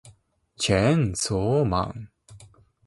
チェーンソーマン